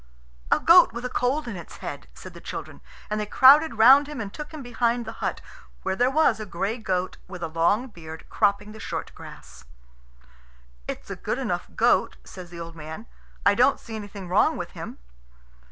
"A goat with a cold in its head," said the children; and they crowded round him and took him behind the hut where there was a gray goat with a long beard cropping the short grass. "It's a good enough goat," says the old man; "I don't see anything wrong with him."